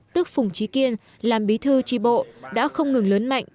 tức phùng trí kiên làm bí thư tri bộ đã không ngừng lớn mạnh